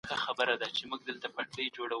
زه به دام څنګه پلورمه